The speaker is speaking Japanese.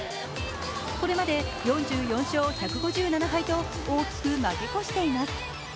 これまで４４勝１５７敗と大きく負け越しています。